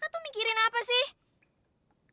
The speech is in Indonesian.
kakak tuh mikirin apa sih kok ngamun